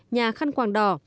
nhà khăn quàng đỏ